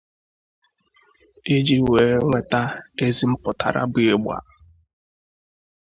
iji wee nweta ezi mpụtara bụ ịgbà